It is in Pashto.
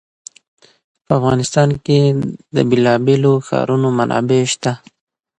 په افغانستان کې د بېلابېلو ښارونو منابع شته.